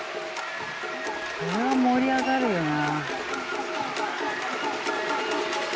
これは盛り上がるよな。